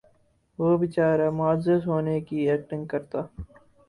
وہ بیچارہ معزز ہونے کی ایکٹنگ کرتا